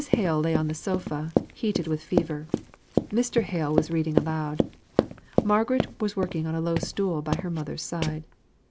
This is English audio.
Hale lay on the sofa, heated with fever. Mr. Hale was reading aloud. Margaret was working on a low stool by her mother's side.